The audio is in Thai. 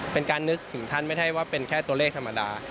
เป็นการนึกถึงท่านไม่ได้ว่าเป็นแค่ตัวเลขธรรมดา